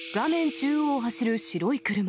中央を走る白い車。